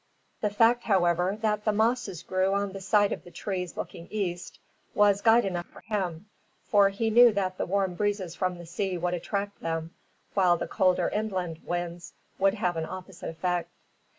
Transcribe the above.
The fact, however, that the mosses grew on the side of the trees looking east, was guide enough for him; for he knew that the warm breezes from the sea would attract them, while the colder inland winds would have an opposite effect.